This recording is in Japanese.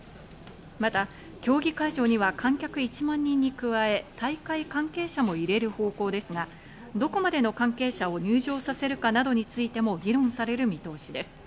また、競技会場には観客１万人に加え、大会関係者も入れる方向ですが、どこまでの関係者を入場させるかなどについても議論される見通しです。